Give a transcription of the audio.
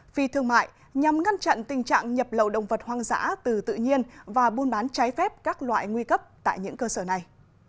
phi thương mại nhằm ngăn chặn tình trạng nhập lậu động vật hoang dã từ tự nhiên và buôn bán trái phép các loại nguy cấp tại những cơ sở này